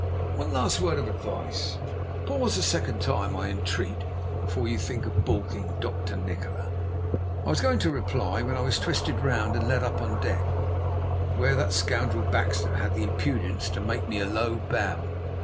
One last word of advice: pause a second time, I entreat, before you think of baulking Dr. Nikola.' "I was going to reply, when I was twisted round and led up on deck, where that scoundrel Baxter had the impudence to make me a low bow.